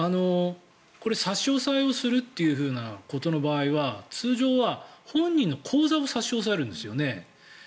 これ、差し押さえをするということの場合は通常は、本人の口座を差し押さえるんですよね？